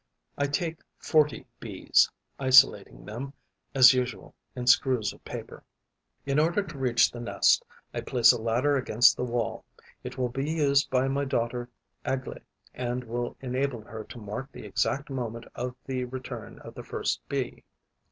I take forty Bees, isolating them, as usual, in screws of paper. In order to reach the nest, I place a ladder against the wall: it will be used by my daughter Aglae and will enable her to mark the exact moment of the return of the first Bee.